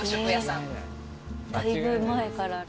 だいぶ前からある。